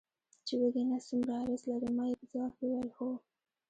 چې وږی نس څومره اغېز لري، ما یې په ځواب کې وویل: هو.